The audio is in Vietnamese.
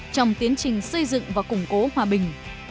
trong tiến trình xây dựng và củng cố hòa bình